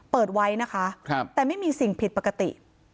เปิดไว้นะคะแต่ไม่มีสิ่งผิดปกติ